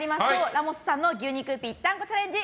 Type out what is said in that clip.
ラモスさんの牛肉ぴったんこチャレンジ